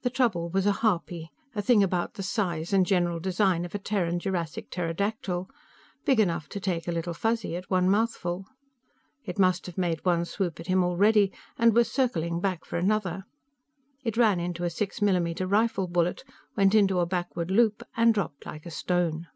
The trouble was a harpy a thing about the size and general design of a Terran Jurassic pterodactyl, big enough to take a Little Fuzzy at one mouthful. It must have made one swoop at him already, and was circling back for another. It ran into a 6 mm rifle bullet, went into a backward loop and dropped like a stone.